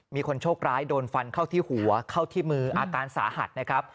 มีคนโชคร้ายโดนฟันเข้าที่หัวเข้าที่มืออาการสาหัสนะครับ